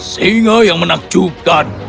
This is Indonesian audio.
singa yang menakjubkan